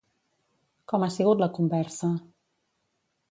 Com ha sigut la conversa?